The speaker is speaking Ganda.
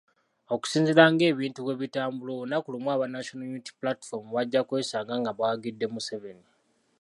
Okusinziira ng’ebintu bwe bitambula olunaku lumu aba National Unity Platform bajja kwesanga nga bawagidde Museveni .